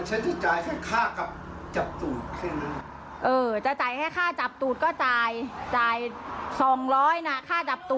โอเคจ่ายภาพค่าจับตูดดางเดียวก็จ่ายสองร้อยบาท